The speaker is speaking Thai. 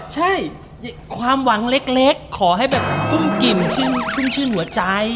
ใช่ความหวังเล็กขอให้แบบกุ้มกิ่มชุ่มชื่นหัวใจ